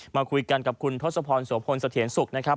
มาคุยกันกับคุณทศพรโสพลสะเทียนสุขนะครับ